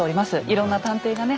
いろんな探偵がね